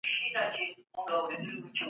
بيا ټول تصوير روښانه کيږي